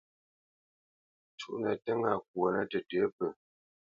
Cúʼnə tə́ ŋâ kwonə tətə̌ pə.